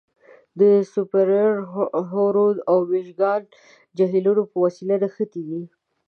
د سوپریر، هورن او میشګان جهیلونه په وسیله نښتي دي.